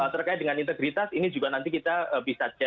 terkait dengan integritas ini juga nanti kita bisa cek